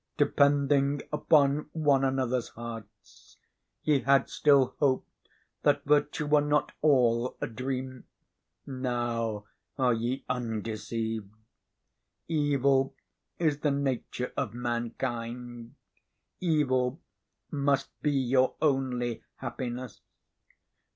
"Depending upon one another's hearts, ye had still hoped that virtue were not all a dream. Now are ye undeceived. Evil is the nature of mankind. Evil must be your only happiness.